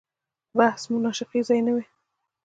بحث مناقشې ځای نه وي.